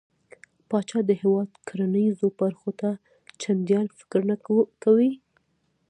پاچا د هيواد کرنېزو برخو ته چنديان فکر نه کوي .